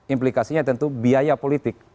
implikasinya tentu biaya politik